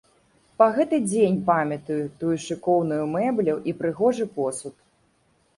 Па гэты дзень памятаю тую шыкоўную мэблю і прыгожы посуд.